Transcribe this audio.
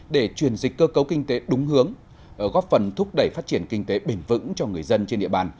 để truyền dịch cơ cấu kinh tế đúng hướng góp phần thúc đẩy phát triển kinh tế bền vững cho người dân trên địa bàn